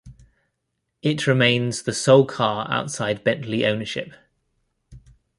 It remains the sole car outside Bentley ownership.